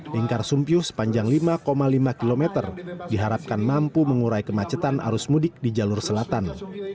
lingkar sumpih sepanjang lima lima km diharapkan mampu mengurai kemacetan arus mudik di jalur selatan